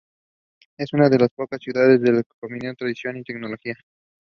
The pair resumed light training in late September.